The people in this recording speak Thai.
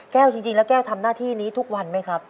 จริงแล้วแก้วทำหน้าที่นี้ทุกวันไหมครับ